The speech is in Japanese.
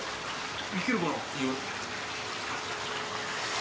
いけるかな？